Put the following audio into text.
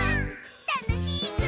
たのしいぐ！